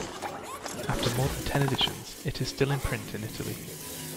After more than ten editions, it is still in print in Italy.